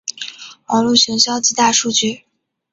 网路行销及大数据